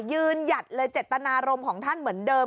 หยัดเลยเจตนารมณ์ของท่านเหมือนเดิม